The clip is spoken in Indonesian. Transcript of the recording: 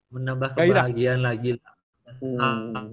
menambah kebahagiaan lagi lah